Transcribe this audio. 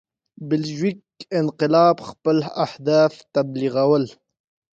بلشویک انقلاب خپل اهداف تبلیغول.